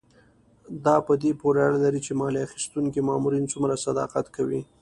دا په دې پورې اړه لري چې مالیه اخیستونکي مامورین څومره صداقت کوي.